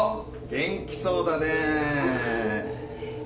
元気そうだね！